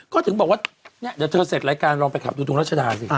ก็ถึงบอกว่าเนี่ยเดี๋ยวเธอเสร็จรายการลองไปขับดูตรงรัชดาสิ